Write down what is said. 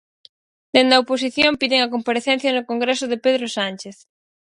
Dende a oposición, piden a comparecencia no Congreso de Pedro Sánchez.